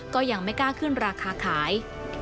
ก็ยังไม่กล้าขึ้นราคาขาย